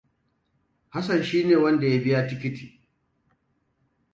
Hassan shine wanda ya biya tikiti.